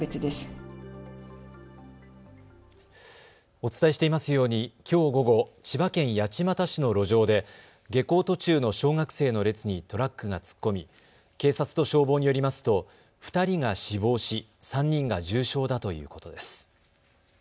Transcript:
お伝えしていますようにきょう午後、千葉県八街市の路上で下校途中の小学生の列にトラックが突っ込み、警察と消防によりますと２人が死亡し、３人が重傷だということです。